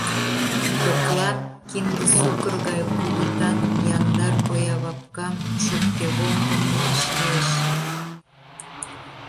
Коклан кинде сукыр гай кугытан яндар коявапкам, шопкевоҥгым муаш лиеш.